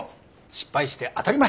失敗して当たり前。